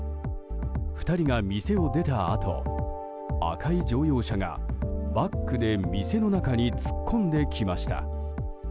２人が店を出たあと赤い乗用車が、バックで店の中に突っ込んできました。